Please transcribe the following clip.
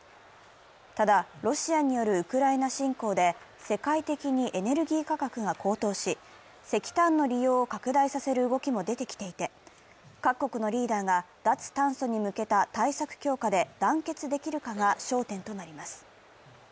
ただ、ロシアによるウクライナ侵攻で、世界的にエネルギー価格が高騰し、石炭の利用を拡大させる動きも出てきていて、各国のリーダーが脱炭素に向けた対策強化で団結できるかが焦点となります。